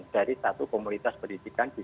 dari satu komunitas pendidikan di